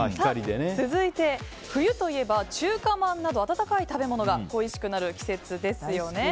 続いて、冬といえば中華まんなど温かい食べ物がおいしくなる季節ですよね。